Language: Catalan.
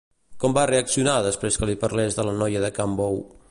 Com va reaccionar després que li parlés de la noia de can Bou?